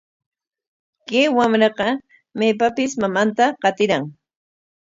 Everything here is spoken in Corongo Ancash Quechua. Kay wamraqa maypapis mamanta qatiran.